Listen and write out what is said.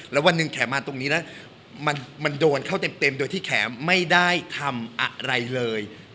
แล้ววันหนึ่งแขมาตรงนี้แล้วมันโดนเข้าเต็มโดยที่แขไม่ได้ทำอะไรเลย